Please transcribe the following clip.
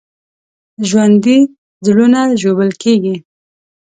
ژوندي زړونه ژوبل کېږي